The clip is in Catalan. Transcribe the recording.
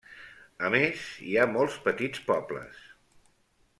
A més, hi ha molts petits pobles.